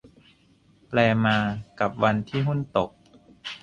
แปลมา กับวันที่หุ้นตก